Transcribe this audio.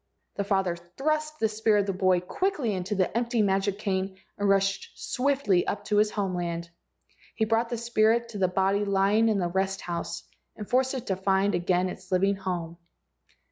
The father thrust the spirit of the boy quickly into the empty magic cane and rushed swiftly up to his home land. He brought the spirit to the body lying in the rest house and forced it to find again its living home.